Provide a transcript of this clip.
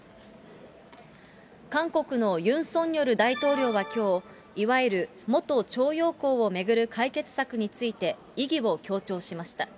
韓国のユン・ソンニョル大統領はきょう、いわゆる元徴用工を巡る解決策について意義を強調しました。